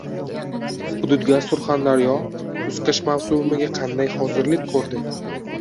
“Hududgaz Surxondaryo” kuz-qish mavsumiga qanday hozirlik ko‘rdi?